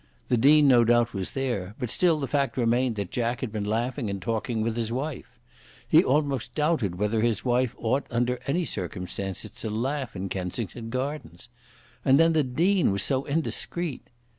The Dean no doubt was there; but still the fact remained that Jack had been laughing and talking with his wife. He almost doubted whether his wife ought under any circumstances to laugh in Kensington Gardens. And then the Dean was so indiscreet!